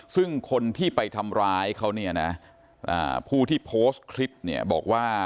ซึ่งคนที่ไปทำร้ายเขาเนี่ยนะผู้ที่โพสต์คลิปเนี่ยบอกว่า